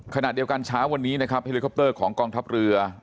ขณะเดียวกันเช้าวันนี้นะครับเฮลิคอปเตอร์ของกองทัพเรือ